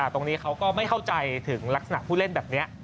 ตรงนี้เขาก็ไม่เข้าใจถึงลักษณะผู้เล่นแบบนี้